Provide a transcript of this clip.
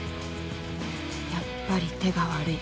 やっぱり手が悪い